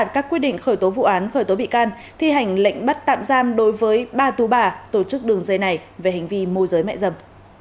cơ quan cảnh sát các quy định khởi tố vụ án khởi tố bị can thi hành lệnh bắt tạm giam đối với ba tú bà tổ chức đường dây này về hành vi môi giới mẹ dâm